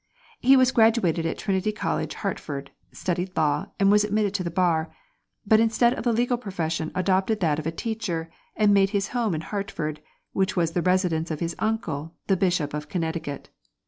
He was graduated at Trinity College, Hartford, studied law, and was admitted to the bar; but instead of the legal profession adopted that of a teacher, and made his home in Hartford, which was the residence of his uncle, the Bishop of Connecticut.